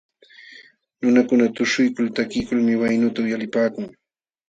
Nunakuna tuśhuykul takiykulmi waynuta uylipaakun.